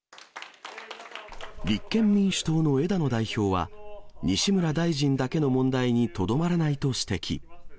立憲民主党の枝野代表は、西村大臣だけの問題にとどまらないと指摘。